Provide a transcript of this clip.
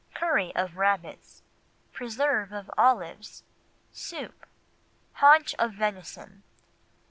Curry of Rabbits. Preserve of Olives. Soup. Haunch of Venison.